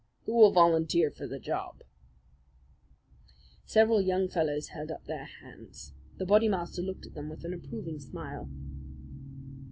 "Who will volunteer for the job?" Several young fellows held up their hands. The Bodymaster looked at them with an approving smile.